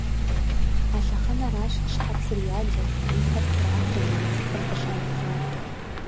А лъэхъэнэращ щхьэцыр ялэу, и фэр трахуу нэмыцэхэм къыщаублар.